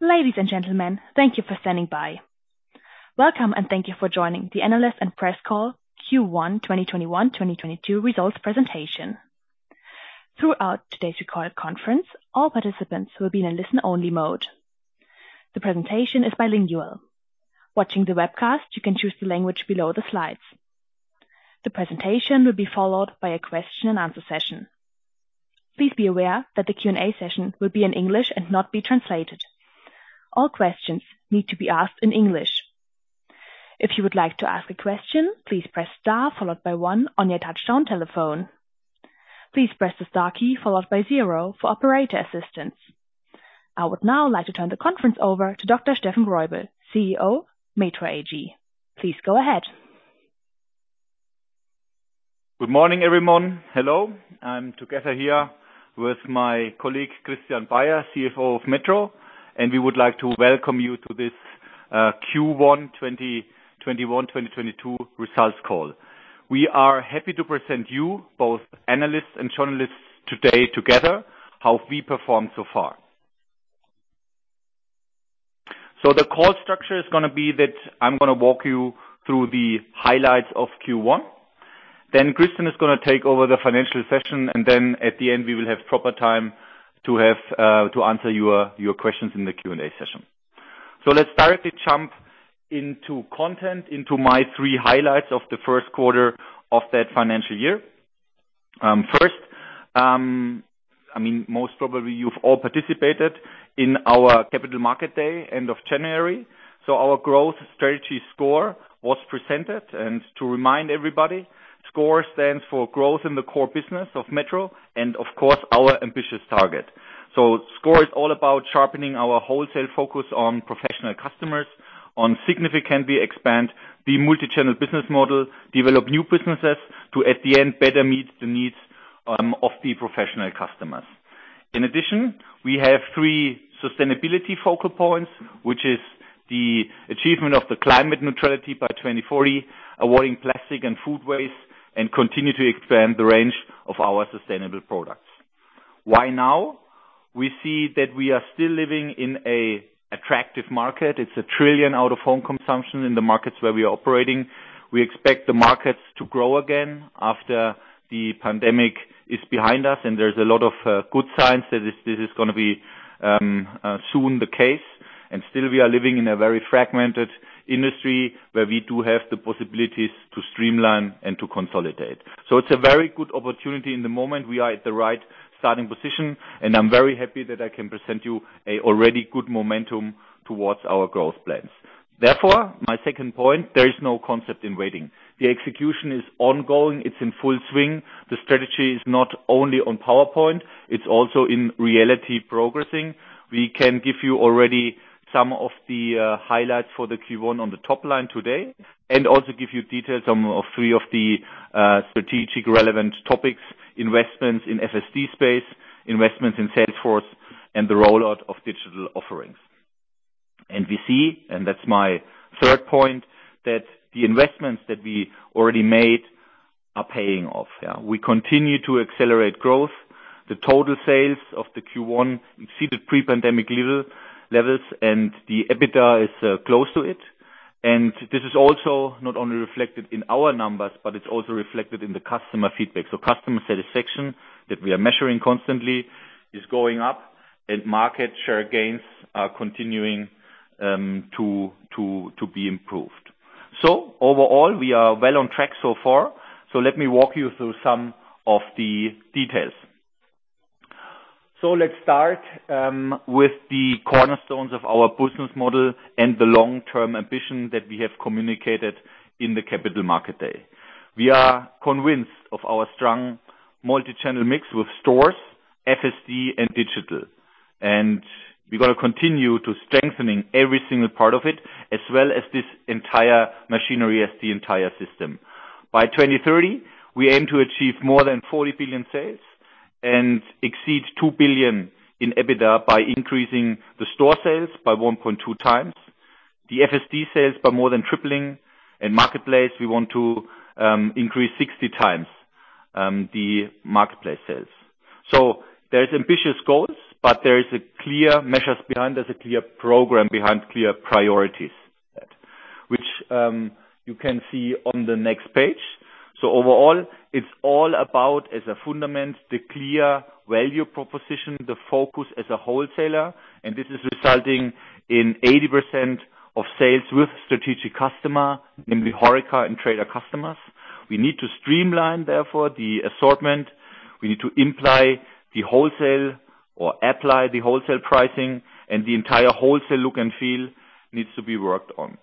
Ladies and gentlemen, thank you for standing by. Welcome, and thank you for joining the analyst and press call Q1 2021/2022 results presentation. Throughout today's recorded conference, all participants will be in a listen-only mode. The presentation is bilingual. Watching the webcast, you can choose the language below the slides. The presentation will be followed by a question and answer session. Please be aware that the Q&A session will be in English and not be translated. All questions need to be asked in English. If you would like to ask a question, please press star followed by one on your touchtone telephone. Please press the star key followed by zero for operator assistance. I would now like to turn the conference over to Dr. Steffen Greubel, CEO, Metro AG. Please go ahead. Good morning, everyone. Hello. I'm together here with my colleague, Christian Baier, CFO of Metro, and we would like to welcome you to this Q1 2021/2022 results call. We are happy to present you, both analysts and journalists today together, how we performed so far. The call structure is gonna be that I'm gonna walk you through the highlights of Q1, then Christian is gonna take over the financial session, and then at the end, we will have proper time to answer your questions in the Q&A session. Let's directly jump into content, into my three highlights of the first quarter of that financial year. First, I mean, most probably, you've all participated in our Capital Markets Day, end of January. Our growth strategy SCORE was presented. To remind everybody, SCORE stands for growth in the core business of Metro and, of course, our ambitious target. SCORE is all about sharpening our wholesale focus on professional customers, on significantly expand the multichannel business model, develop new businesses to, at the end, better meet the needs of the professional customers. In addition, we have three sustainability focal points, which is the achievement of the climate neutrality by 2040, avoiding plastic and food waste, and continue to expand the range of our sustainable products. Why now? We see that we are still living in an attractive market. It's 1 trillion out-of-home consumption in the markets where we are operating. We expect the markets to grow again after the pandemic is behind us, and there's a lot of good signs that this is gonna be soon the case. Still we are living in a very fragmented industry where we do have the possibilities to streamline and to consolidate. It's a very good opportunity in the moment. We are at the right starting position, and I'm very happy that I can present you a already good momentum towards our growth plans. Therefore, my second point, there is no concept in waiting. The execution is ongoing. It's in full swing. The strategy is not only on PowerPoint, it's also in reality progressing. We can give you already some of the highlights for the Q1 on the top line today and also give you details on three of the strategic relevant topics, investments in FSD space, investments in sales force, and the rollout of digital offerings. We see, and that's my third point, that the investments that we already made are paying off. Yeah. We continue to accelerate growth. The total sales of the Q1 exceeded pre-pandemic levels, and the EBITDA is close to it. This is also not only reflected in our numbers, but it's also reflected in the customer feedback. Customer satisfaction that we are measuring constantly is going up, and market share gains are continuing to be improved. Overall, we are well on track so far, so let me walk you through some of the details. Let's start with the cornerstones of our business model and the long-term ambition that we have communicated in the capital market day. We are convinced of our strong multichannel mix with stores, FSD, and digital. We're gonna continue to strengthening every single part of it as well as this entire machinery as the entire system. By 2030, we aim to achieve more than 40 billion sales and exceed 2 billion in EBITDA by increasing the store sales by 1.2 times, the FSD sales by more than tripling, and marketplace, we want to increase 60 times, the marketplace sales. There are ambitious goals, but there are clear measures behind. There's a clear program behind clear priorities which you can see on the next page. Overall, it's all about, as a fundamental, the clear value proposition, the focus as a wholesaler, and this is resulting in 80% of sales with strategic customers, namely HoReCa and Trader customers. We need to streamline, therefore, the assortment. We need to implement the wholesale or apply the wholesale pricing, and the entire wholesale look and feel needs to be worked on.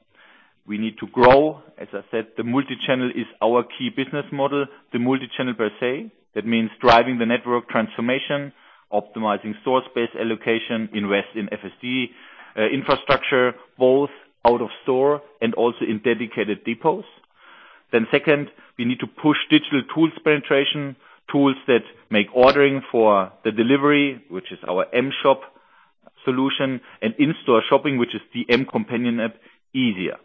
We need to grow. As I said, the multichannel is our key business model. The multichannel per se, that means driving the network transformation, optimizing store space allocation, invest in FSD infrastructure both out of store and also in dedicated depots. Second, we need to push digital tools penetration, tools that make ordering for the delivery, which is our M|Shop solution, and in-store shopping, which is the M|Companion app, easier.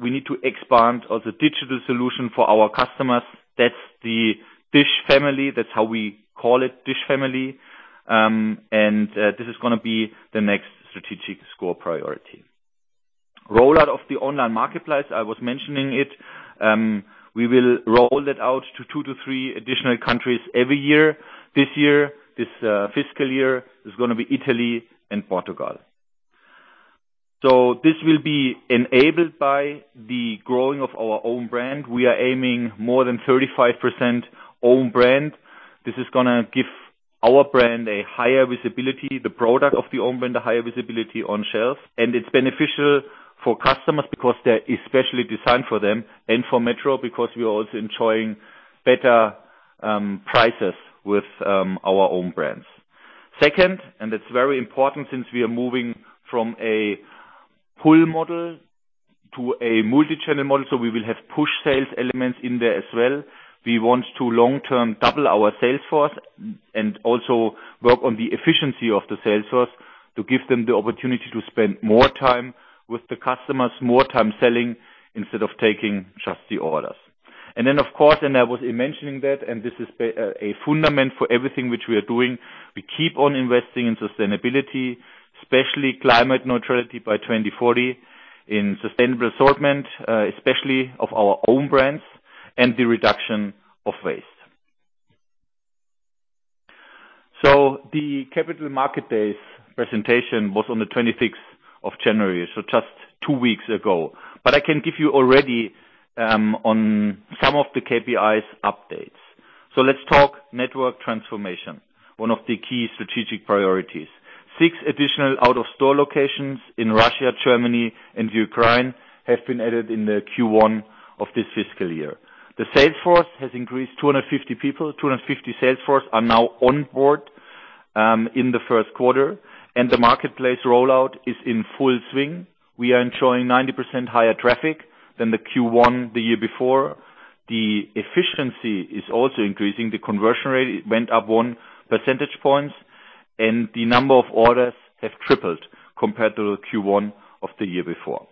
We need to expand on the digital solution for our customers. That's the DISH family. That's how we call it, DISH family. This is gonna be the next strategic SCORE priority. Rollout of METRO MARKETS, I was mentioning it. We will roll it out to 2-3 additional countries every year. This year, fiscal year is gonna be Italy and Portugal. This will be enabled by the growing of our own brand. We are aiming more than 35% own brand. This is gonna give our brand a higher visibility, the product of the own brand a higher visibility on shelves, and it's beneficial for customers because they're especially designed for them and for Metro because we are also enjoying better prices with our own brands. Second, it's very important since we are moving from a pull model to a multi-channel model, so we will have push sales elements in there as well. We want to long-term double our sales force and also work on the efficiency of the sales force to give them the opportunity to spend more time with the customers, more time selling, instead of taking just the orders. Then, of course, I was mentioning that, and this is a fundamental for everything which we are doing. We keep on investing in sustainability, especially climate neutrality by 2040 in sustainable assortment, especially of our own brands and the reduction of waste. The Capital Markets Day's presentation was on the 26th of January, so just two weeks ago. I can give you already on some of the KPIs updates. Let's talk network transformation, one of the key strategic priorities. 6 additional out-of-store locations in Russia, Germany, and Ukraine have been added in the Q1 of this fiscal year. The sales force has increased 250 people. 250 sales force are now on board in the first quarter, and the marketplace rollout is in full swing. We are enjoying 90% higher traffic than the Q1 the year before. The efficiency is also increasing. The conversion rate went up 1 percentage points, and the number of orders have tripled compared to Q1 of the year before.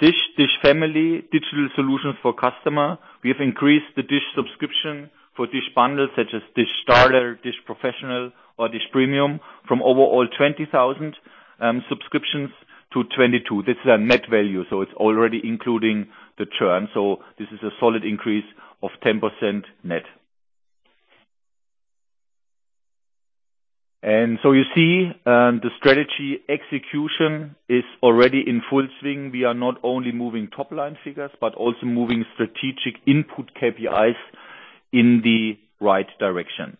DISH family digital solution for customer. We have increased the DISH subscription for DISH bundles such as DISH Starter, DISH Professional or DISH Premium from overall 20,000 subscriptions to 22,000. This is a net value, so it's already including the churn. This is a solid increase of 10% net. You see, the strategy execution is already in full swing. We are not only moving top-line figures, but also moving strategic input KPIs in the right direction.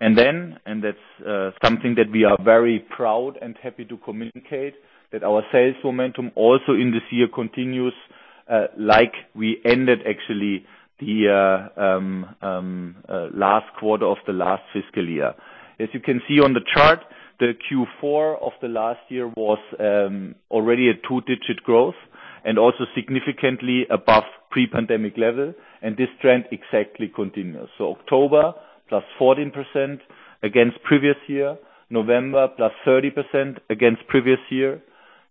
That's something that we are very proud and happy to communicate, that our sales momentum also in this year continues, like we ended actually the last quarter of the last fiscal year. As you can see on the chart, the Q4 of the last year was already a two-digit growth and also significantly above pre-pandemic level, and this trend exactly continues. October, +14% against previous year. November, +30% against previous year.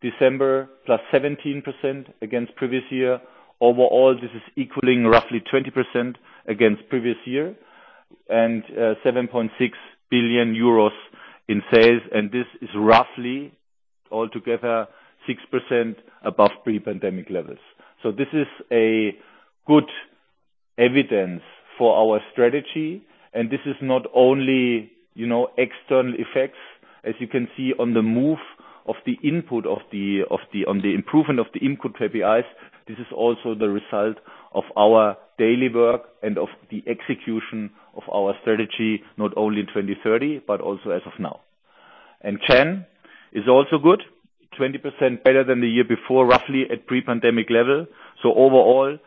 December, +17% against previous year. Overall, this is equaling roughly 20% against previous year and 7.6 billion euros in sales, and this is roughly all together 6% above pre-pandemic levels. This is a good evidence for our strategy, and this is not only, you know, external effects, as you can see on the improvement of the input KPIs. This is also the result of our daily work and of the execution of our strategy, not only in 2030, but also as of now. 10 is also good, 20% better than the year before, roughly at pre-pandemic level. Overall,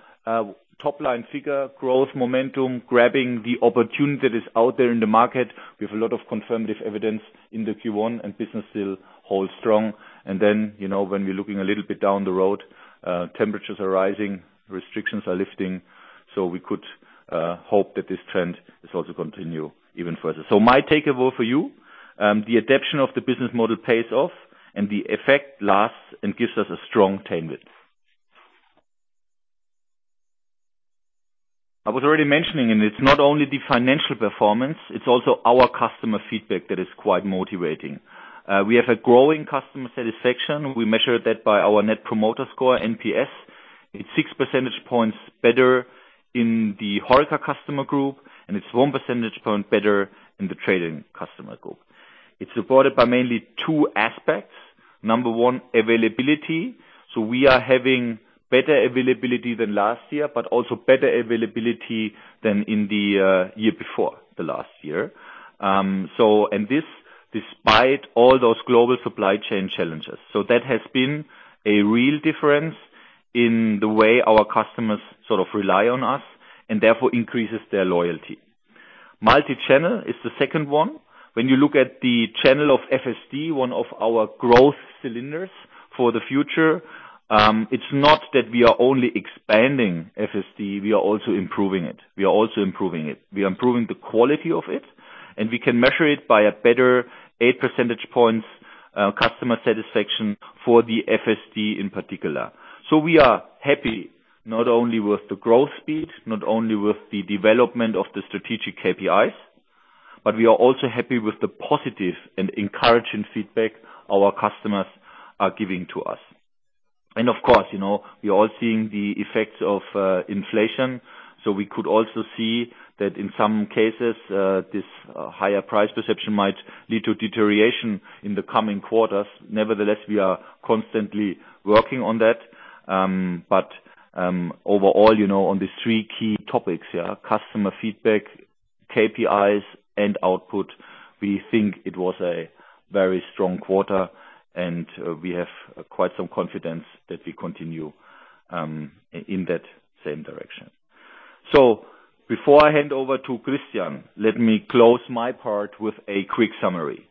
top line figure, growth, momentum, grabbing the opportunity that is out there in the market. We have a lot of confirmative evidence in the Q1, and business still holds strong. When we're looking a little bit down the road, temperatures are rising, restrictions are lifting, so we could hope that this trend also continues even further. My takeaway for you, the adaptation of the business model pays off and the effect lasts and gives us a strong tailwind. I was already mentioning, and it's not only the financial performance, it's also our customer feedback that is quite motivating. We have a growing customer satisfaction. We measure that by our Net Promoter Score, NPS. It's 6 percentage points better in the HoReCa customer group, and it's 1 percentage point better in the trading customer group. It's supported by mainly two aspects. Number one, availability. We are having better availability than last year, but also better availability than in the year before the last year. This, despite all those global supply chain challenges. That has been a real difference in the way our customers sort of rely on us and therefore increases their loyalty. Multi-channel is the second one. When you look at the channel of FSD, one of our growth cylinders for the future, it's not that we are only expanding FSD, we are also improving it. We are improving the quality of it. We can measure it by a better 8 percentage points customer satisfaction for the FSD in particular. We are happy not only with the growth speed, not only with the development of the strategic KPIs, but we are also happy with the positive and encouraging feedback our customers are giving to us. Of course, you know, we are all seeing the effects of inflation, so we could also see that in some cases this higher price perception might lead to deterioration in the coming quarters. Nevertheless, we are constantly working on that. Overall, you know, on the three key topics, yeah, customer feedback, KPIs and output, we think it was a very strong quarter, and we have quite some confidence that we continue in that same direction. Before I hand over to Christian, let me close my part with a quick summary.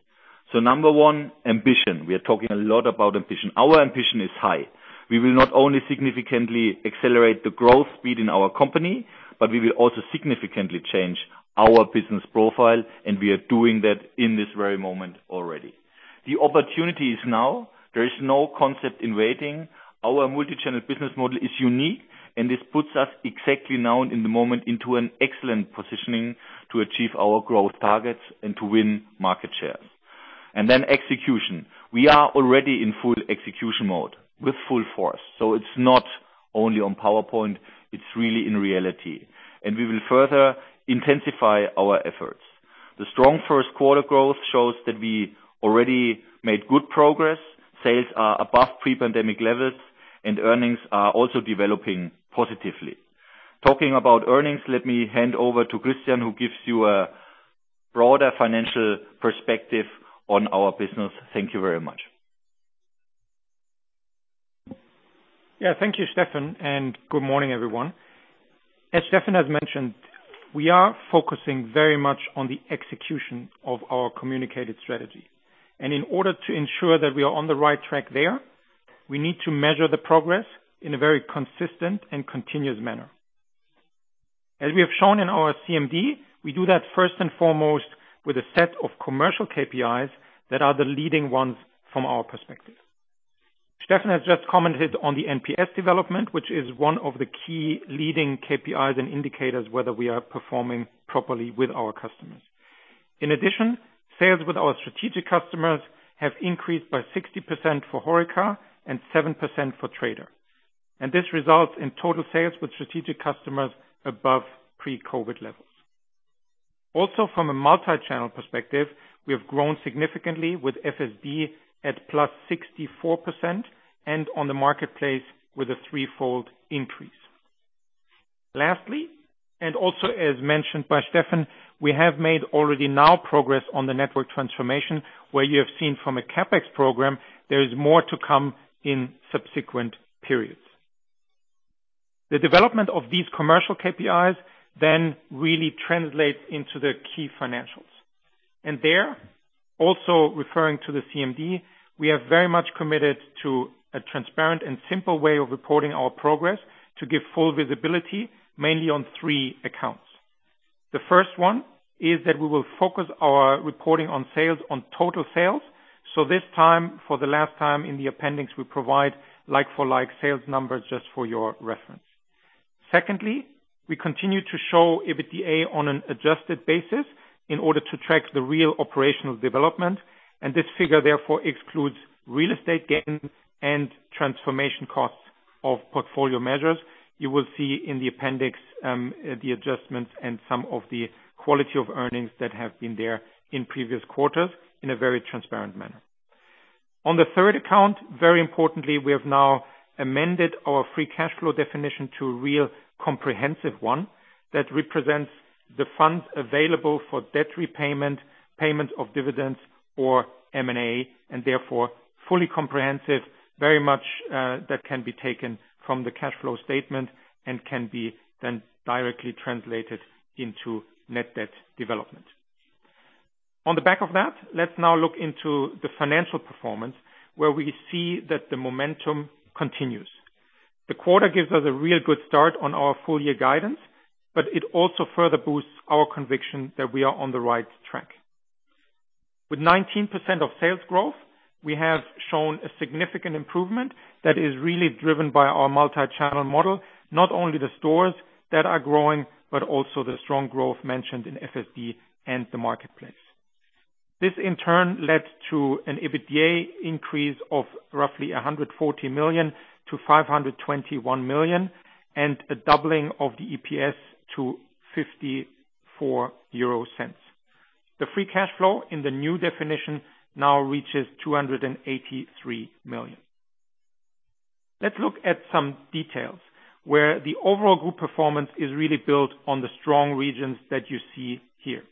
Number one, ambition. We are talking a lot about ambition. Our ambition is high. We will not only significantly accelerate the growth speed in our company, but we will also significantly change our business profile, and we are doing that in this very moment already. The opportunity is now. There is no concept in waiting. Our multichannel business model is unique, and this puts us exactly now in the moment into an excellent positioning to achieve our growth targets and to win market share. Then execution. We are already in full execution mode with full force, so it's not only on PowerPoint, it's really in reality. We will further intensify our efforts. The strong first quarter growth shows that we already made good progress. Sales are above pre-pandemic levels, and earnings are also developing positively. Talking about earnings, let me hand over to Christian who gives you a broader financial perspective on our business. Thank you very much. Yeah. Thank you, Steffen, and good morning, everyone. As Steffen has mentioned, we are focusing very much on the execution of our communicated strategy. In order to ensure that we are on the right track there, we need to measure the progress in a very consistent and continuous manner. As we have shown in our CMD, we do that first and foremost with a set of commercial KPIs that are the leading ones from our perspective. Steffen has just commented on the NPS development, which is one of the key leading KPIs and indicators whether we are performing properly with our customers. In addition, sales with our strategic customers have increased by 60% for HoReCa and 7% for Trader. This results in total sales with strategic customers above pre-COVID levels. From a multichannel perspective, we have grown significantly with FSD at +64% and on the marketplace with a threefold increase. Lastly, also as mentioned by Steffen, we have made already now progress on the network transformation, where you have seen from a CapEx program there is more to come in subsequent periods. The development of these commercial KPIs then really translates into the key financials. There, also referring to the CMD, we are very much committed to a transparent and simple way of reporting our progress to give full visibility mainly on three accounts. The first one is that we will focus our reporting on sales on total sales, so this time for the last time in the appendix we provide like-for-like sales numbers just for your reference. Secondly, we continue to show EBITDA on an adjusted basis in order to track the real operational development. This figure therefore excludes real estate gains and transformation costs of portfolio measures. You will see in the appendix the adjustments and some of the quality of earnings that have been there in previous quarters in a very transparent manner. On the third account, very importantly, we have now amended our free cash flow definition to a real comprehensive one that represents the funds available for debt repayment, payment of dividends or M&A, and therefore fully comprehensive very much, that can be taken from the cash flow statement and can be then directly translated into net debt development. On the back of that, let's now look into the financial performance where we see that the momentum continues. The quarter gives us a real good start on our full year guidance, but it also further boosts our conviction that we are on the right track. With 19% of sales growth, we have shown a significant improvement that is really driven by our multichannel model, not only the stores that are growing, but also the strong growth mentioned in FSD and the marketplace. This in turn led to an EBITDA increase of roughly 140 to 521 million and a doubling of the EPS to 0.54. The free cash flow in the new definition now reaches 283 million. Let's look at some details where the overall group performance is really built on the strong regions that you see here.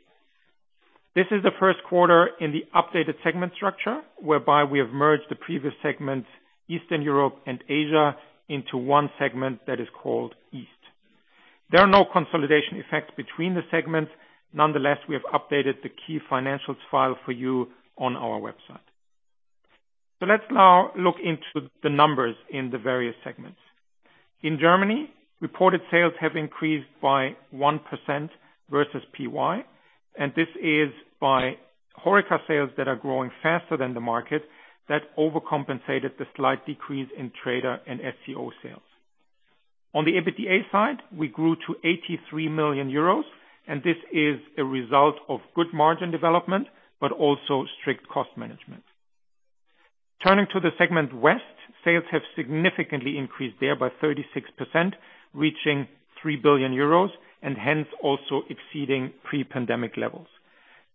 This is the first quarter in the updated segment structure, whereby we have merged the previous segments, Eastern Europe and Asia, into one segment that is called East. There are no consolidation effects between the segments. Nonetheless, we have updated the key financials file for you on our website. Let's now look into the numbers in the various segments. In Germany, reported sales have increased by 1% versus PY, and this is by HoReCa sales that are growing faster than the market that overcompensated the slight decrease in Trader and SCO sales. On the EBITDA side, we grew to 83 million euros, and this is a result of good margin development, but also strict cost management. Turning to the segment West, sales have significantly increased there by 36%, reaching 3 billion euros and hence also exceeding pre-pandemic levels.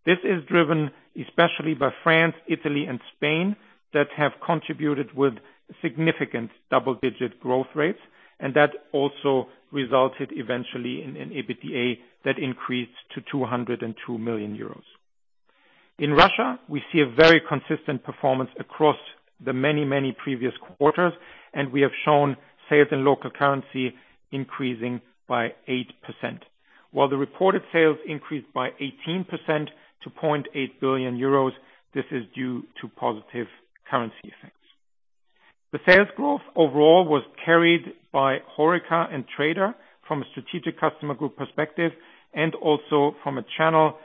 This is driven especially by France, Italy, and Spain that have contributed with significant double-digit growth rates, and that also resulted eventually in an EBITDA that increased to 202 million euros. In Russia, we see a very consistent performance across the many, many previous quarters, and we have shown sales in local currency increasing by 8%. While the reported sales increased by 18% to 0.8 billion euros, this is due to positive currency effects. The sales growth overall was carried by HoReCa and Trader from a strategic customer group perspective and also from a channel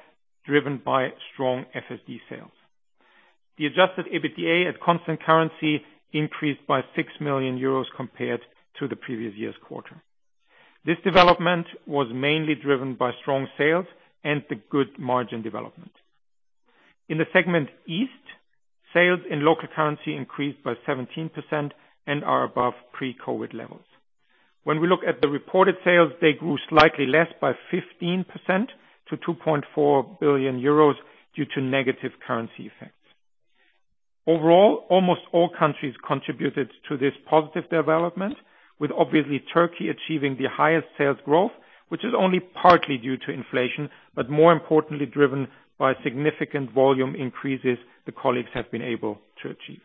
driven by strong FSD sales. The Adjusted EBITDA at constant currency increased by 6 million euros compared to the previous year's quarter. This development was mainly driven by strong sales and the good margin development. In the segment East, sales in local currency increased by 17% and are above pre-COVID levels. When we look at the reported sales, they grew slightly less by 15% to 2.4 billion euros due to negative currency effects. Overall, almost all countries contributed to this positive development, with obviously Turkey achieving the highest sales growth, which is only partly due to inflation, but more importantly, driven by significant volume increases the colleagues have been able to achieve.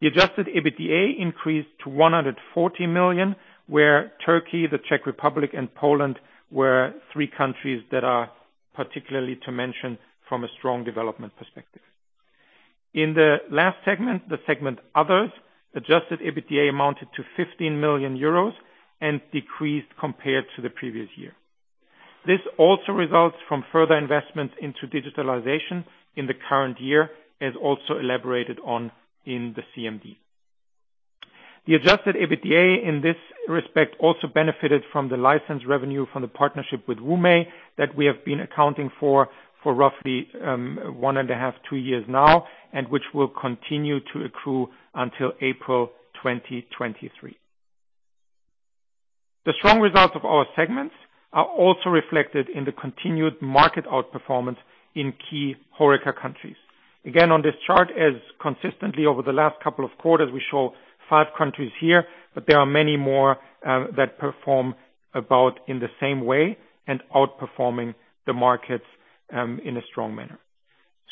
The Adjusted EBITDA increased to 140 million, where Turkey, the Czech Republic, and Poland were three countries that are particularly to mention from a strong development perspective. In the last segment, the segment Others, Adjusted EBITDA amounted to 15 million euros and decreased compared to the previous year. This also results from further investment into digitalization in the current year, as also elaborated on in the CMD. The Adjusted EBITDA in this respect also benefited from the license revenue from the partnership with Wumei that we have been accounting for roughly 1.5-2 years now, and which will continue to accrue until April 2023. The strong results of our segments are also reflected in the continued market outperformance in key HoReCa countries. Again, on this chart, as consistently over the last couple of quarters, we show five countries here, but there are many more that perform about in the same way and outperforming the markets in a strong manner.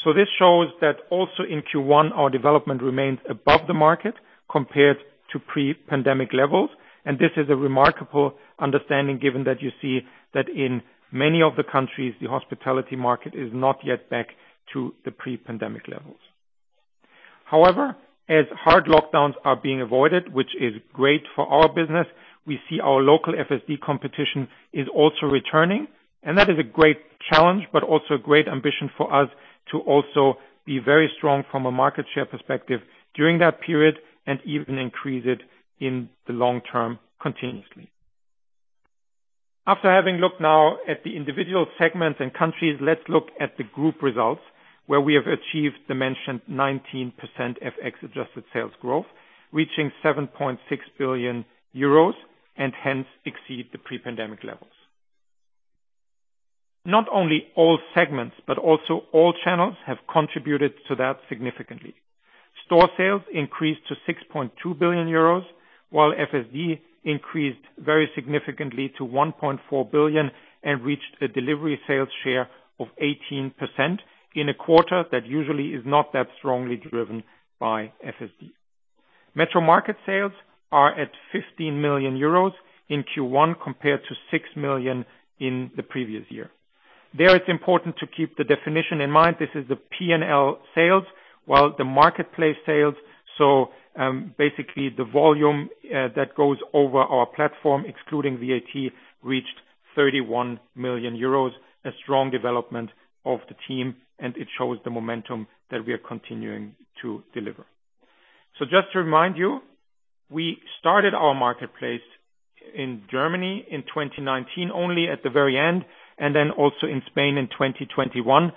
This shows that also in Q1, our development remains above the market compared to pre-pandemic levels. This is a remarkable understanding given that you see that in many of the countries, the hospitality market is not yet back to the pre-pandemic levels. However, as hard lockdowns are being avoided, which is great for our business, we see our local FSD competition is also returning, and that is a great challenge, but also a great ambition for us to also be very strong from a market share perspective during that period and even increase it in the long term continuously. After having looked now at the individual segments and countries, let's look at the group results where we have achieved the mentioned 19% FX-adjusted sales growth, reaching 7.6 billion euros and hence exceed the pre-pandemic levels. Not only all segments, but also all channels have contributed to that significantly. Store sales increased to 6.2 billion euros, while FSD increased very significantly to 1.4 billion and reached a delivery sales share of 18% in a quarter that usually is not that strongly driven by FSD. METRO MARKETS sales are at 15 million euros in Q1 compared to 6 million in the previous year. There, it's important to keep the definition in mind. This is the P&L sales, while the marketplace sales, so, basically the volume, that goes over our platform, excluding VAT, reached 31 million euros, a strong development of the team, and it shows the momentum that we are continuing to deliver. Just to remind you, we started our marketplace in Germany in 2019 only at the very end, and then also in Spain in 2021.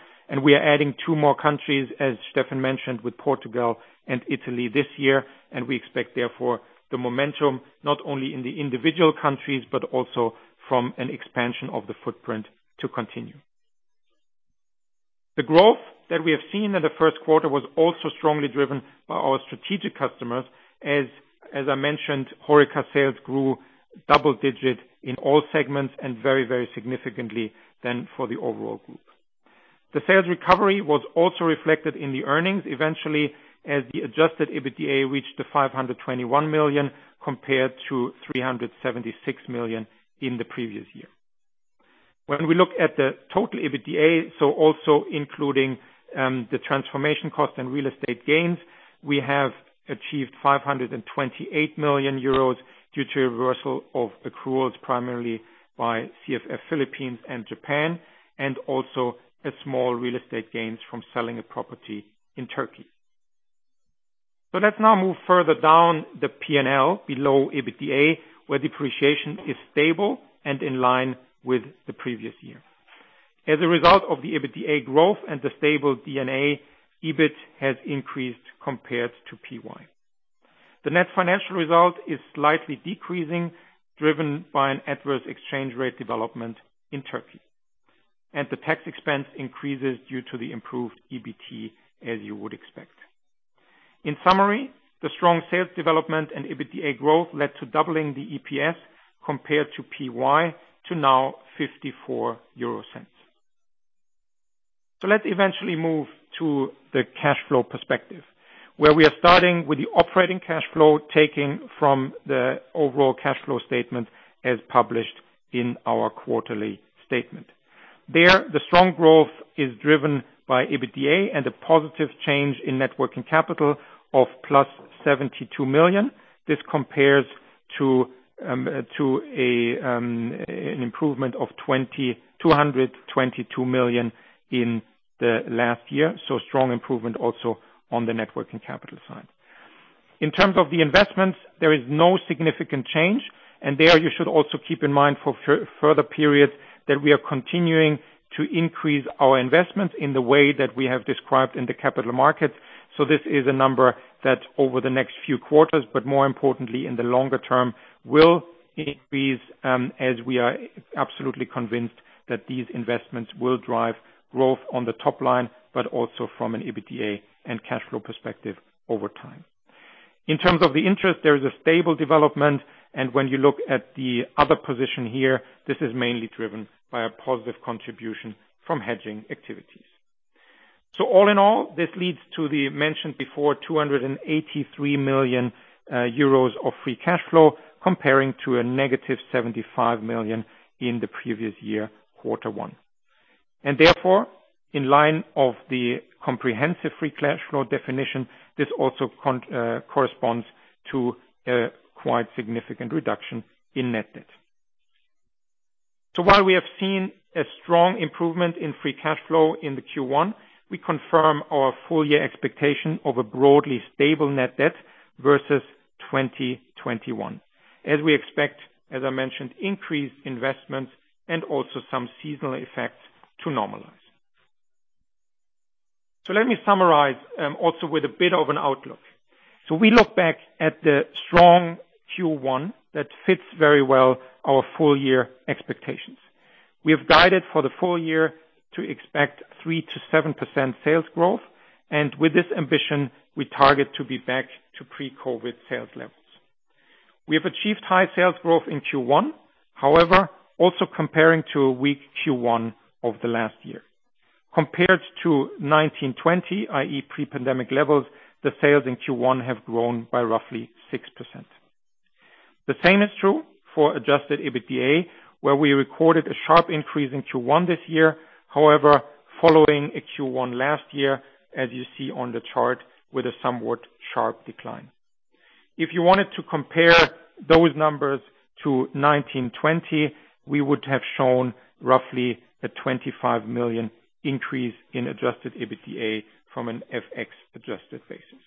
We are adding two more countries, as Steffen mentioned, with Portugal and Italy this year, and we expect, therefore, the momentum, not only in the individual countries, but also from an expansion of the footprint to continue. The growth that we have seen in the first quarter was also strongly driven by our strategic customers. As I mentioned, HoReCa sales grew double-digit in all segments and very, very significantly than for the overall group. The sales recovery was also reflected in the earnings eventually as the Adjusted EBITDA reached 521 million compared to 376 million in the previous year. When we look at the total EBITDA, so also including, the transformation cost and real estate gains, we have achieved 528 million euros due to reversal of accruals, primarily by CFF Philippines and Japan, and also a small real estate gains from selling a property in Turkey. Let's now move further down the P&L below EBITDA, where depreciation is stable and in line with the previous year. As a result of the EBITDA growth and the stable D&A, EBIT has increased compared to PY. The net financial result is slightly decreasing, driven by an adverse exchange rate development in Turkey, and the tax expense increases due to the improved EBIT, as you would expect. In summary, the strong sales development and EBITDA growth led to doubling the EPS compared to PY to now 0.54. Let's eventually move to the cash flow perspective, where we are starting with the operating cash flow, taking from the overall cash flow statement as published in our quarterly statement. There, the strong growth is driven by EBITDA and a positive change in net working capital of +72 million. This compares to an improvement of 2,222 million in the last year. Strong improvement also on the net working capital side. In terms of the investments, there is no significant change, and there you should also keep in mind for further periods that we are continuing to increase our investments in the way that we have described in the capital markets. This is a number that over the next few quarters, but more importantly, in the longer term, will increase, as we are absolutely convinced that these investments will drive growth on the top line, but also from an EBITDA and cash flow perspective over time. In terms of the interest, there is a stable development and when you look at the other position here, this is mainly driven by a positive contribution from hedging activities. All in all, this leads to the mentioned before, 283 million euros of free cash flow comparing to a negative 75 million in the previous year, quarter one. Therefore, in line of the comprehensive free cash flow definition, this also corresponds to a quite significant reduction in net debt. While we have seen a strong improvement in free cash flow in the Q1, we confirm our full year expectation of a broadly stable net debt versus 2021. As we expect, as I mentioned, increased investments and also some seasonal effects to normalize. Let me summarize, also with a bit of an outlook. We look back at the strong Q1 that fits very well our full year expectations. We have guided for the full year to expect 3%-7% sales growth, and with this ambition, we target to be back to pre-COVID sales levels. We have achieved high sales growth in Q1, however, also comparing to a weak Q1 of the last year. Compared to 2019/20, i.e., pre-pandemic levels, the sales in Q1 have grown by roughly 6%. The same is true for Adjusted EBITDA, where we recorded a sharp increase in Q1 this year, however, following a Q1 last year, as you see on the chart, with a somewhat sharp decline. If you wanted to compare those numbers to 2019-20, we would have shown roughly a 25 million increase in adjusted EBITDA from an FX-adjusted basis.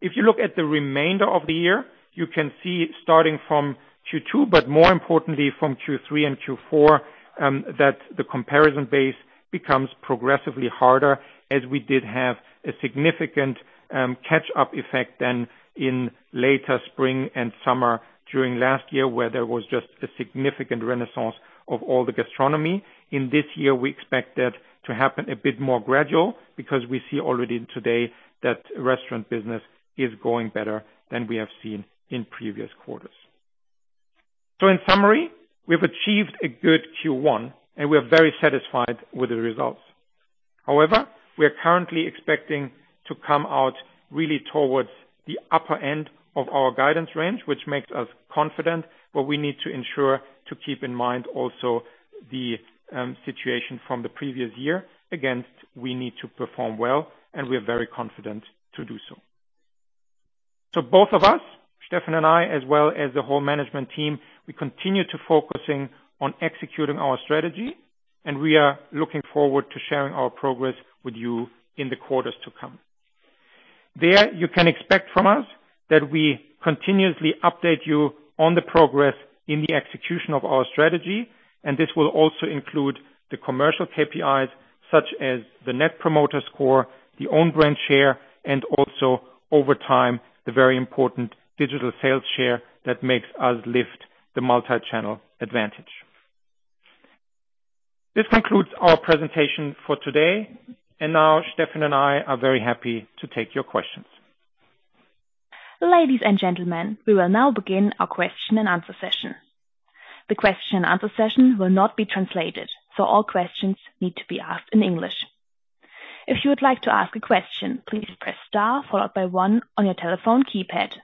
If you look at the remainder of the year, you can see starting from Q2, but more importantly from Q3 and Q4, that the comparison base becomes progressively harder as we did have a significant catch-up effect in later spring and summer during last year, where there was just a significant renaissance of all the gastronomy. In this year, we expect that to happen a bit more gradual because we see already today that restaurant business is going better than we have seen in previous quarters. In summary, we've achieved a good Q1, and we are very satisfied with the results. However, we are currently expecting to come out really towards the upper end of our guidance range, which makes us confident, but we need to ensure to keep in mind also the situation from the previous year. Again, we need to perform well, and we are very confident to do so. Both of us, Steffen and I, as well as the whole management team, we continue to focusing on executing our strategy, and we are looking forward to sharing our progress with you in the quarters to come. There you can expect from us that we continuously update you on the progress in the execution of our strategy, and this will also include the commercial KPIs such as the Net Promoter Score, the own brand share, and also over time, the very important digital sales share that makes us lift the multi-channel advantage. This concludes our presentation for today. Now Steffen and I are very happy to take your questions. Ladies and gentlemen, we will now begin our question and answer session. The question and answer session will not be translated, so all questions need to be asked in English. If you would like to ask a question, please press star followed by one on your telephone keypad.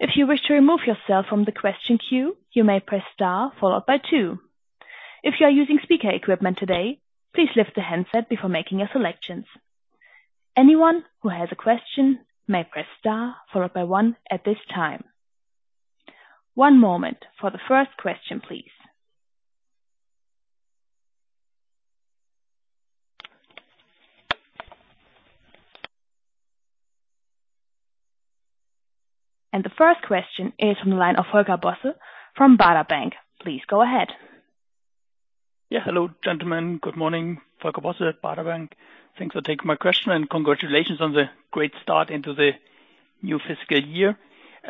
If you wish to remove yourself from the question queue, you may press star followed by two. If you are using speaker equipment today, please lift the handset before making your selections. Anyone who has a question may press star followed by one at this time. One moment for the first question, please. The first question is from the line of Volker Bosse from Baader Bank. Please go ahead. Hello, gentlemen. Good morning. Volker Bosse, Baader Bank. Thanks for taking my question and congratulations on the great start into the new fiscal year.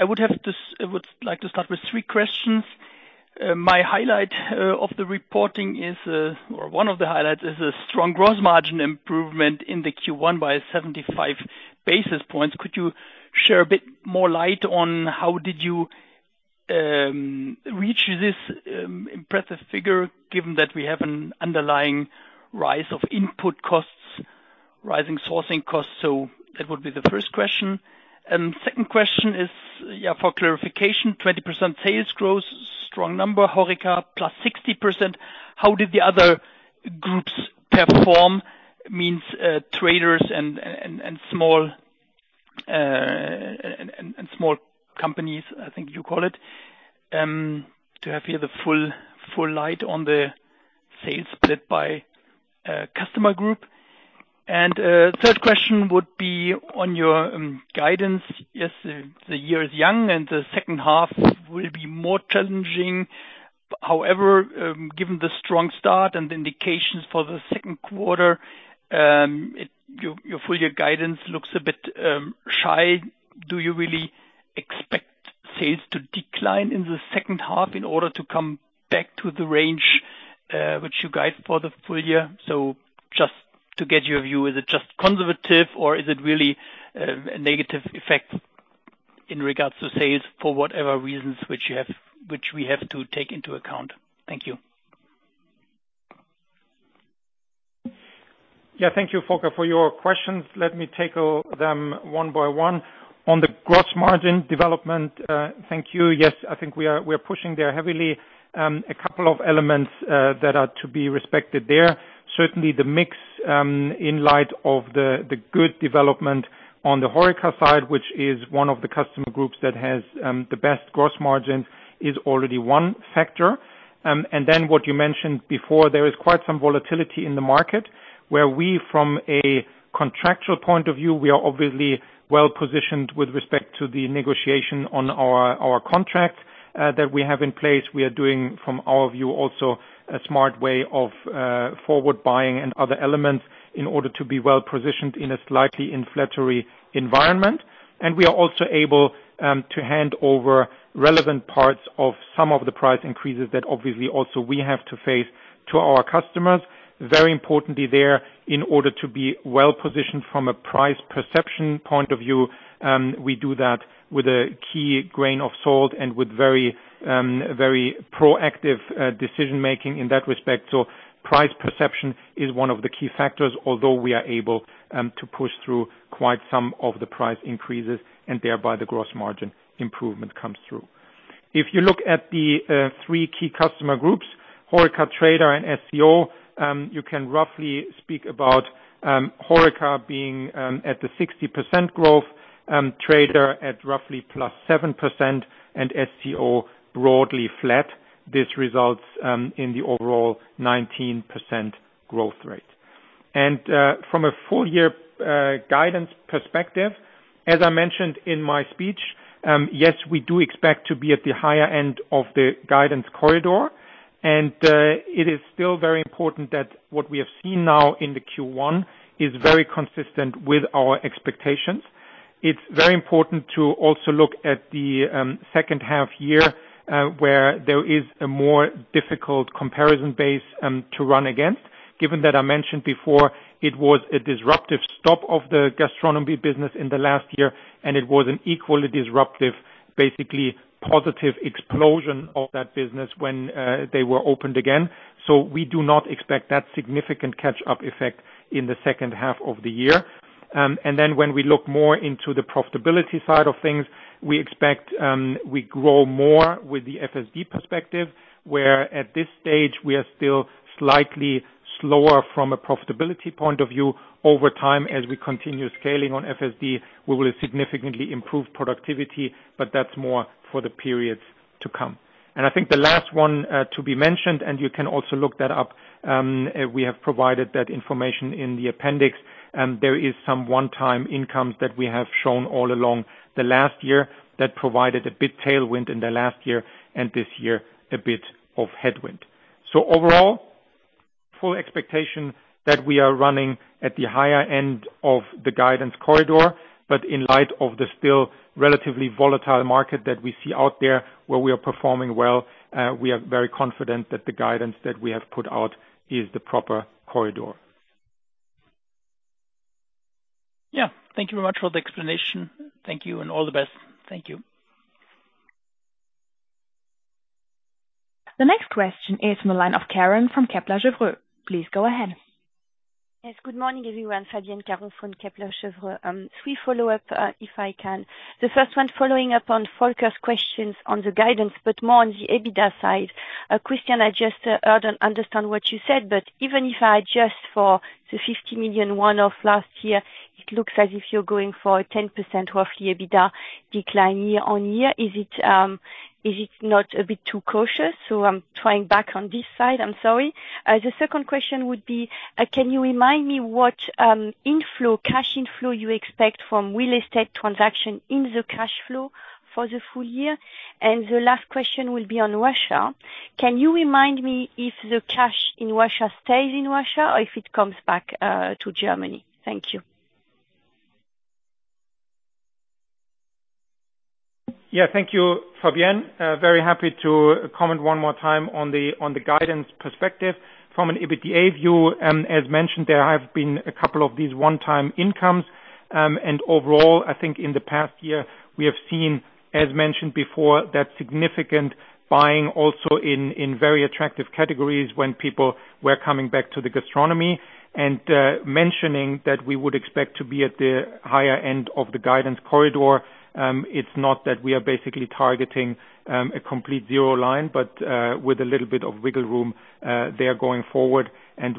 I would like to start with three questions. My highlight of the reporting is, or one of the highlights is a strong gross margin improvement in the Q1 by 75 basis points. Could you shed a bit more light on how did you reach this impressive figure given that we have an underlying rise of input costs, rising sourcing costs? That would be the first question. Second question is, yeah, for clarification, 20% sales growth, strong number, HoReCa plus 60%. How did the other groups perform? My next, traders and small companies, I think you call it, to have here the full light on the sales split by customer group. Third question would be on your guidance. Yes, the year is young and the second half will be more challenging. However, given the strong start and indications for the second quarter, your full year guidance looks a bit shy. Do you really expect sales to decline in the second half in order to come back to the range which you guide for the full year? So just to get your view, is it just conservative or is it really a negative effect in regards to sales for whatever reasons which you have, which we have to take into account? Thank you. Yeah. Thank you, Volker, for your questions. Let me take them one by one. On the gross margin development, thank you. Yes. I think we are pushing there heavily. A couple of elements that are to be respected there. Certainly the mix, in light of the good development on the HoReCa side, which is one of the customer groups that has the best gross margin, is already one factor. What you mentioned before, there is quite some volatility in the market where we, from a contractual point of view, we are obviously well-positioned with respect to the negotiation on our contracts that we have in place. We are doing from our view also a smart way of forward buying and other elements in order to be well-positioned in a slightly inflationary environment. We are also able to hand over relevant parts of some of the price increases that obviously also we have to face to our customers. Very importantly there, in order to be well-positioned from a price perception point of view, we do that with a key grain of salt and with very, very proactive decision-making in that respect. Price perception is one of the key factors although we are able to push through quite some of the price increases and thereby the gross margin improvement comes through. If you look at the three key customer groups, HoReCa, Trader and SCO, you can roughly speak about HoReCa being at the 60% growth, Trader at roughly +7% and SCO broadly flat. This results in the overall 19% growth rate. From a full year guidance perspective, as I mentioned in my speech, yes, we do expect to be at the higher end of the guidance corridor. It is still very important that what we have seen now in the Q1 is very consistent with our expectations. It's very important to also look at the second half year, where there is a more difficult comparison base to run against. Given that I mentioned before it was a disruptive stop of the gastronomy business in the last year, and it was an equally disruptive, basically positive explosion of that business when they were opened again. We do not expect that significant catch-up effect in the second half of the year. When we look more into the profitability side of things, we expect we grow more with the FSD perspective, where at this stage we are still slightly slower from a profitability point of view. Over time as we continue scaling on FSD, we will significantly improve productivity, but that's more for the periods to come. I think the last one to be mentioned, and you can also look that up, we have provided that information in the appendix. There is some one-time income that we have shown all along the last year that provided a bit tailwind in the last year and this year a bit of headwind. Overall, full expectation that we are running at the higher end of the guidance corridor. In light of the still relatively volatile market that we see out there where we are performing well, we are very confident that the guidance that we have put out is the proper corridor. Yeah. Thank you very much for the explanation. Thank you and all the best. Thank you. The next question is from the line of Fabienne Caron from Kepler Cheuvreux. Please go ahead. Yes. Good morning, everyone. Fabienne Caron from Kepler Cheuvreux. Three follow-up, if I can. The first one following up on Volker's questions on the guidance, but more on the EBITDA side. Christian, I just hadn't understood what you said, but even if I adjust for the 50 million one-off last year, it looks as if you're going for a roughly 10% EBITDA decline year-on-year. Is it not a bit too cautious? I'm trying back on this side. I'm sorry. The second question would be, can you remind me what cash inflow you expect from real estate transaction in the cash flow for the full year? The last question will be on Russia. Can you remind me if the cash in Russia stays in Russia or if it comes back to Germany? Thank you. Yeah. Thank you, Fabienne. Very happy to comment one more time on the guidance perspective. From an EBITDA view, as mentioned, there have been a couple of these one-time incomes, and overall, I think in the past year, we have seen, as mentioned before, that significant buying also in very attractive categories when people were coming back to the gastronomy. Mentioning that we would expect to be at the higher end of the guidance corridor, it's not that we are basically targeting a complete zero line, but with a little bit of wiggle room there going forward.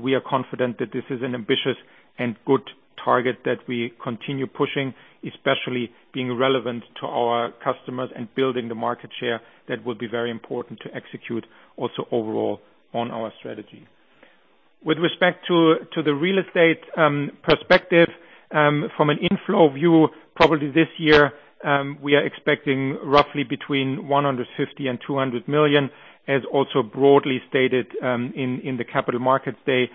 We are confident that this is an ambitious and good target that we continue pushing, especially being relevant to our customers and building the market share that will be very important to execute also overall on our strategy. With respect to the real estate perspective, from an inflow view, probably this year we are expecting roughly between 150 million and 200 million, as also broadly stated in the Capital Markets Day.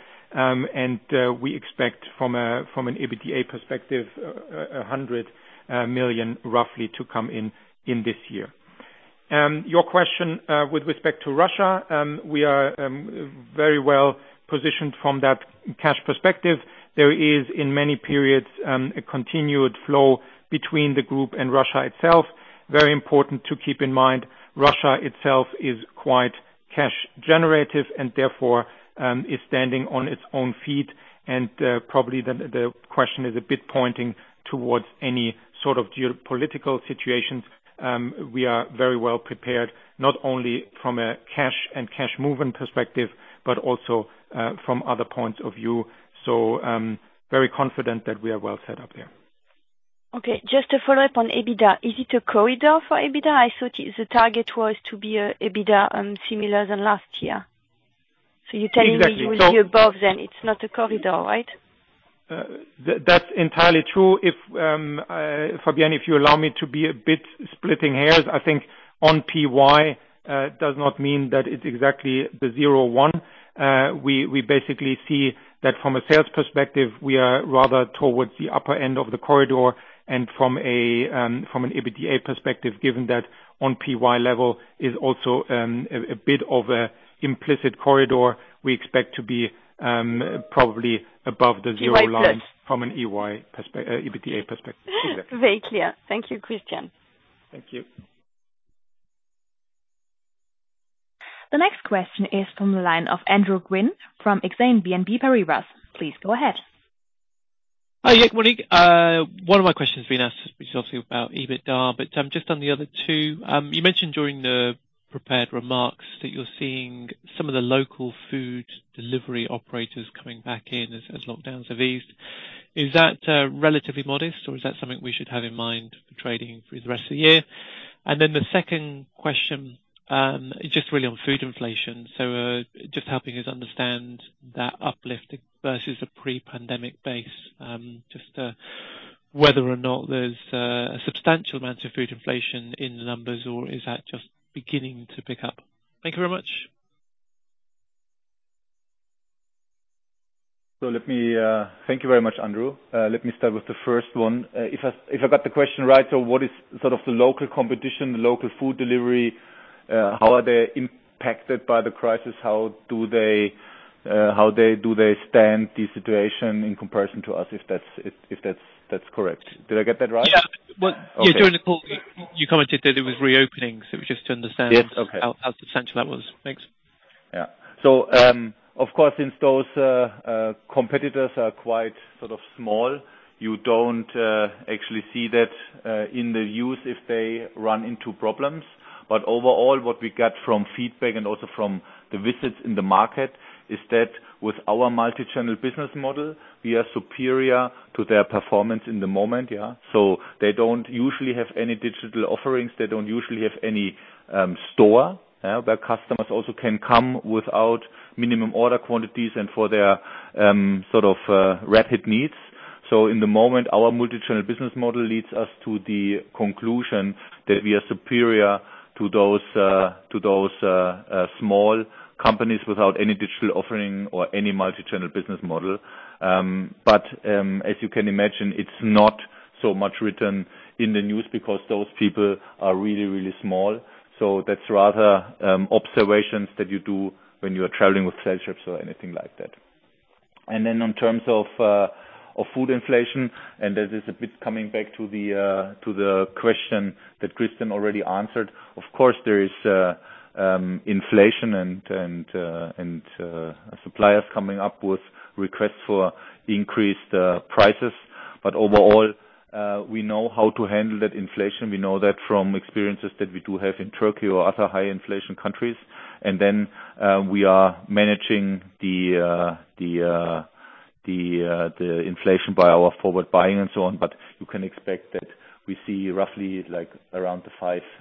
We expect from an EBITDA perspective, 100 million roughly to come in this year. Your question with respect to Russia, we are very well positioned from that cash perspective. There is, in many periods, a continued flow between the group and Russia itself. Very important to keep in mind, Russia itself is quite cash generative and therefore is standing on its own feet. Probably the question is a bit pointing towards any sort of geopolitical situations. We are very well prepared, not only from a cash and cash movement perspective, but also from other points of view. We are very confident that we are well set up here. Okay. Just to follow up on EBITDA. Is it a corridor for EBITDA? I thought the target was to be EBITDA similar than last year. You're telling me- Exactly. You will be above then, it's not a corridor, right? That's entirely true. If Fabienne, if you allow me to be a bit splitting hairs, I think on PY does not mean that it's exactly the zero one. We basically see that from a sales perspective, we are rather towards the upper end of the corridor. From an EBITDA perspective, given that on PY level is also a bit of a implicit corridor, we expect to be probably above the zero line. You might say. From an EBITDA perspective. Exactly. Very clear. Thank you, Christian. Thank you. The next question is from the line of Andrew Gwynn from Exane BNP Paribas. Please go ahead. Hi. Yeah, good morning. One of my questions has been asked, which is obviously about EBITDA, but just on the other two. You mentioned during the prepared remarks that you're seeing some of the local food delivery operators coming back in as lockdowns have eased. Is that relatively modest, or is that something we should have in mind for trading through the rest of the year? The second question, just really on food inflation, just helping us understand that uplift versus a pre-pandemic base, just whether or not there's a substantial amount of food inflation in the numbers or is that just beginning to pick up? Thank you very much. Thank you very much, Andrew. Let me start with the first one. If I got the question right, what is sort of the local competition, the local food delivery, how are they impacted by the crisis? How do they stand the situation in comparison to us, if that's correct. Did I get that right? Yeah. Well Okay. Yeah, during the call you commented that it was reopening, so it was just to understand. Yes. Okay. How substantial that was. Thanks. Yeah. Of course, since those competitors are quite sort of small, you don't actually see that in the news if they run into problems. Overall, what we got from feedback and also from the visits in the market is that with our multi-channel business model, we are superior to their performance in the moment, yeah? They don't usually have any digital offerings. They don't usually have any store where customers also can come without minimum order quantities and for their sort of rapid needs. In the moment, our multi-channel business model leads us to the conclusion that we are superior to those small companies without any digital offering or any multi-channel business model. As you can imagine, it's not so much written in the news because those people are really, really small. That's rather observations that you do when you are traveling with sales reps or anything like that. In terms of food inflation, this is a bit coming back to the question that Christian already answered. Of course, there is inflation and suppliers coming up with requests for increased prices. Overall, we know how to handle that inflation. We know that from experiences that we do have in Turkey or other high inflation countries. We are managing the inflation by our forward buying and so on. You can expect that we see roughly like around the 5%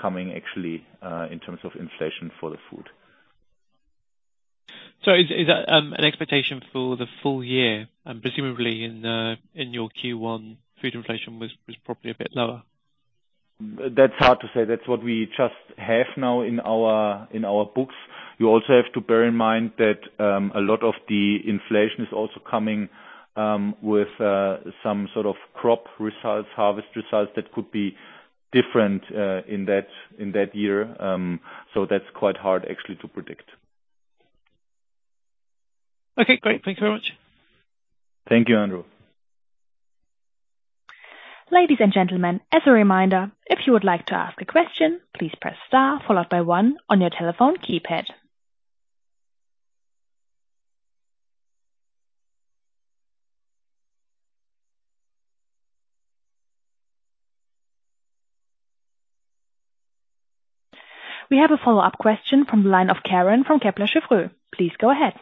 coming actually in terms of inflation for the food. Is that an expectation for the full year? Presumably in your Q1 food inflation was probably a bit lower. That's hard to say. That's what we just have now in our books. You also have to bear in mind that a lot of the inflation is also coming with some sort of crop results, harvest results that could be different in that year. That's quite hard actually to predict. Okay, great. Thank you very much. Thank you, Andrew. Ladies and gentlemen, as a reminder, if you would like to ask a question, please press star followed by one on your telephone keypad. We have a follow-up question from the line of Fabienne Caron from Kepler Cheuvreux. Please go ahead.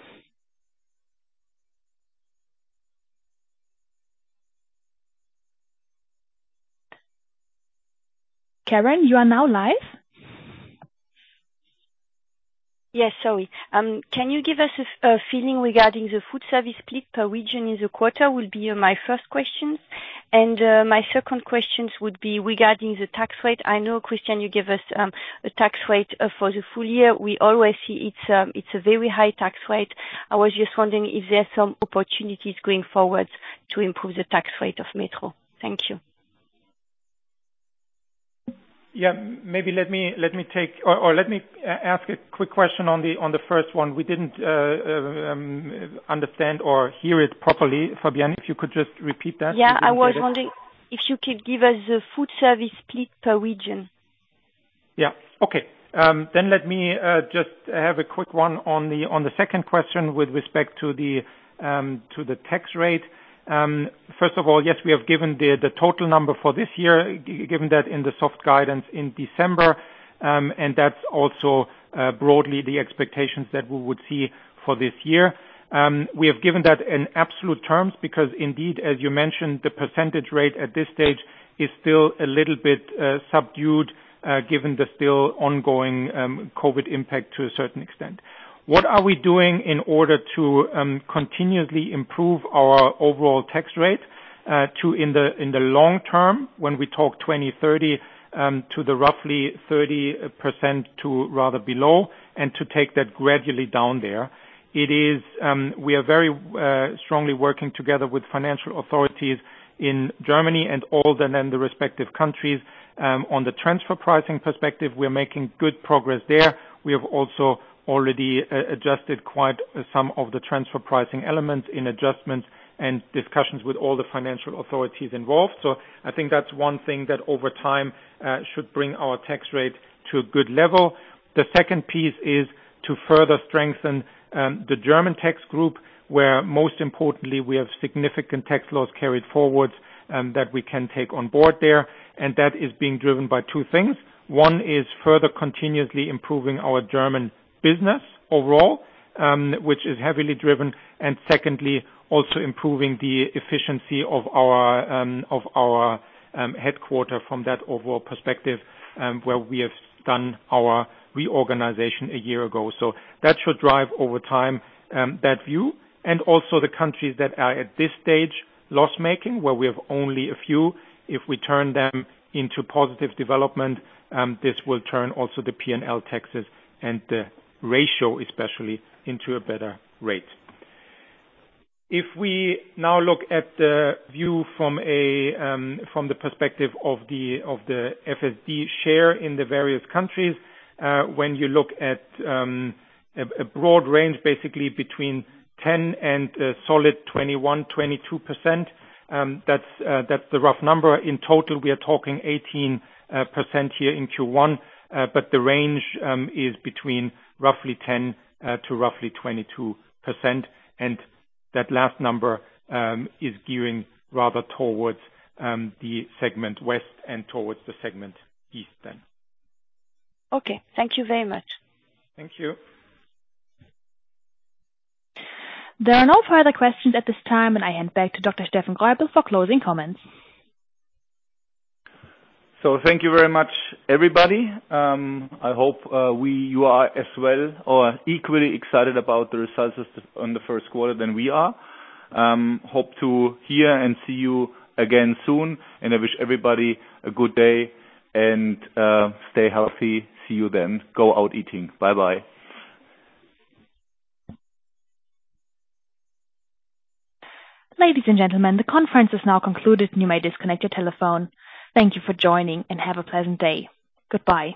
Fabienne Caron, you are now live. Yes, sorry. Can you give us a feeling regarding the food service split per region in the quarter? That will be my first question. My second question would be regarding the tax rate. I know, Christian, you gave us a tax rate for the full year. We always see it's a very high tax rate. I was just wondering if there are some opportunities going forward to improve the tax rate of Metro. Thank you. Yeah. Maybe let me ask a quick question on the first one. We didn't understand or hear it properly. Fabienne, if you could just repeat that. Yeah. I was wondering if you could give us the food service split per region? Yeah. Okay. Let me just have a quick one on the second question with respect to the tax rate. First of all, yes, we have given the total number for this year, given that in the soft guidance in December. That's also broadly the expectations that we would see for this year. We have given that in absolute terms because indeed, as you mentioned, the percentage rate at this stage is still a little bit subdued, given the still ongoing COVID impact to a certain extent. What are we doing in order to continuously improve our overall tax rate, to in the long term when we talk 20, 30, to the roughly 30% to rather below, and to take that gradually down there? We are very strongly working together with financial authorities in Germany and then in the respective countries. On the transfer pricing perspective, we are making good progress there. We have also already adjusted quite some of the transfer pricing elements in adjustments and discussions with all the financial authorities involved. I think that's one thing that over time should bring our tax rate to a good level. The second piece is to further strengthen the German tax group, where most importantly, we have significant tax losses carried forward that we can take on board there, and that is being driven by two things. One is further continuously improving our German business overall, which is heavily driven. Secondly, also improving the efficiency of our headquarters from that overall perspective, where we have done our reorganization a year ago. That should drive over time that view and also the countries that are at this stage loss-making, where we have only a few. If we turn them into positive development, this will turn also the P&L taxes and the ratio, especially, into a better rate. If we now look at the view from the perspective of the FSD share in the various countries, when you look at a broad range, basically between 10% and a solid 21-22%, that's the rough number. In total, we are talking 18% here in Q1. But the range is between roughly 10% to roughly 22%. That last number is gearing rather towards the segment West and towards the segment East then. Okay. Thank you very much. Thank you. There are no further questions at this time, and I hand back to Dr. Steffen Greubel for closing comments. Thank you very much, everybody. I hope you are as well or equally excited about the results as the on the first quarter than we are. Hope to hear and see you again soon, and I wish everybody a good day and stay healthy. See you then. Go out eating. Bye-bye. Ladies and gentlemen, the conference is now concluded. You may disconnect your telephone. Thank you for joining, and have a pleasant day. Goodbye.